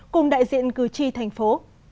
cùng đại diện cử tri thành phố